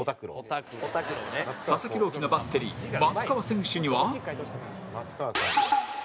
佐々木朗希のバッテリー松川選手には